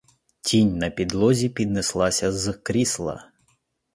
Тінь на підлозі піднеслася з крісла.